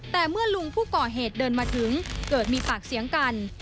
แต่เมื่อลุงผู้ก่อเหตุเดินมาถึงเกิดมีปากเสียงกัน